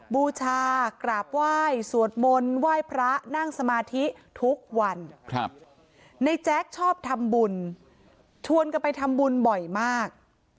บูชากราบไหว้สวดมนต์ไหว้พระนั่งสมาธิทุกวันในแจ๊คชอบทำบุญชวนกันไปทำบุญบ่อยมาก